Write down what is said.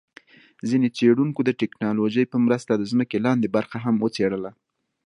ځیني څېړونکو د ټیکنالوجۍ په مرسته د ځمکي لاندي برخه هم وڅېړله